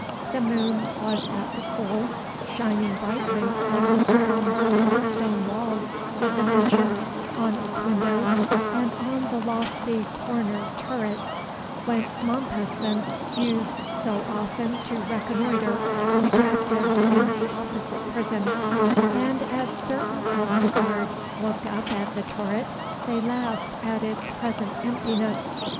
The moon was at the full, shining brightly on the sombre stone walls of the mansion, on its windows, and on the lofty corner turret, whence Mompesson used so often to reconnoitre the captives in the opposite prison; and, as certain of the guard looked up at the turret, they laughed at its present emptiness.